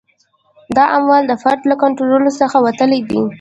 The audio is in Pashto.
دا عوامل د فرد له کنټرول څخه وتلي دي.